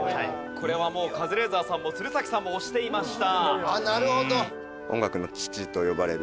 これはもうカズレーザーさんも鶴崎さんも押していました。